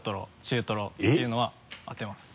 中トロっていうのは当てます。